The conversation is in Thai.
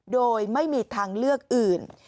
โดยไม่มีทางเลือกอื่น